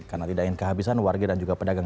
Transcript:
karena tidak ingin kehabisan warga dan juga pedagang